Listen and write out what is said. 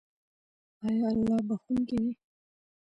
آیا الله بخښونکی دی؟